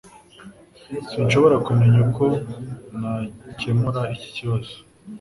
Sinshobora kumenya uko nakemura iki kibazo